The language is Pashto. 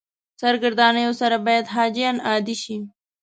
سرګردانیو سره باید حاجیان عادي شي.